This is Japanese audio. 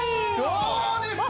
どうですか？